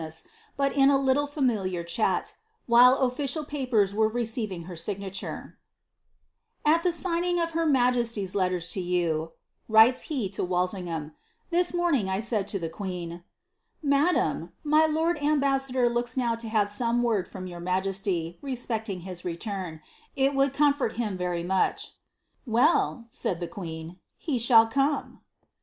<s, bill in a liule familiar chat, while official papeia were receiving her signature; — '•Ai the signing of her majesty's letters to you,'" writes he to W'bI fingham, *■ thia miiming, 1 said to the queen —"• Maileni, my lord ambadsailor looks now to have some wonl from your majesty, respecting hia return : ii would c«mrori him very much.' "' Well.' aaiJ Uie queen, ' he shall come.'